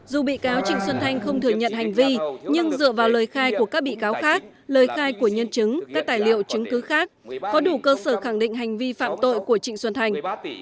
dù bị cáo trịnh xuân thanh không thừa nhận hành vi nhưng dựa vào lời khai của các bị cáo khác lời khai của nhân chứng các tài liệu chứng cứ khác có đủ cơ sở khẳng định hành vi phạm tội của trịnh xuân thành